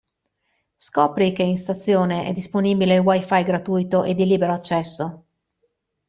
Scopri che in stazione è disponibile il wi-fi gratuito e di libero accesso!